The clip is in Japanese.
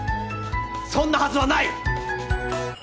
そんなはずはない！